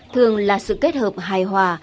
thường là sự kết hợp hài hòa